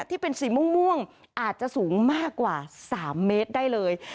ที่เป็นสีม่วงอาจจะสูงมากกว่า๓เมตรได้เลย